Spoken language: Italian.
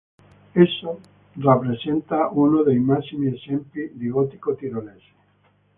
Esso rappresenta uno dei massimi esempi di gotico tirolese.